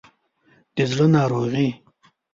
د زړه ناروغي